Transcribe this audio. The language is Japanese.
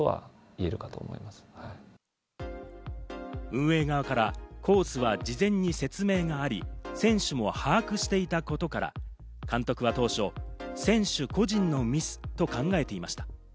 運営側からコースは事前に説明があり、選手も把握していたことから、監督は当初、選手個人のミスと考えていました。